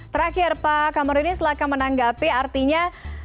terakhir pak kamarudin silahkan menanggapi artinya